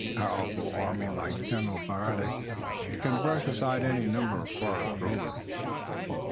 A powerful army like General Braddock's can brush aside any number of forest rovers."